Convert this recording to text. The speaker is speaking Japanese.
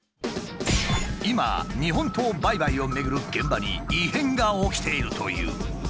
今日本刀売買をめぐる現場に異変が起きているという。